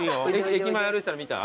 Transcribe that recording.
駅前歩いてたの見た？